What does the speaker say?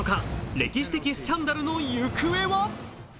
歴史的スキャンダルの行方は？